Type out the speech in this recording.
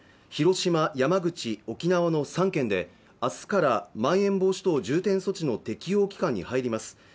広島山口沖縄の３県で明日からまん延防止等重点措置の適用期間に入ります